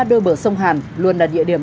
đôi bờ sông hàn luôn là địa điểm